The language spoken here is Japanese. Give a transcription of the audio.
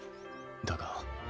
だが。